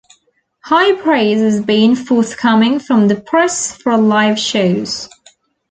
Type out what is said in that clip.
High praise has been forthcoming from the press for live shows.